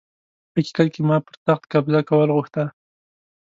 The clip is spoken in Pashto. حقيقت کي ما پر تخت قبضه کول غوښته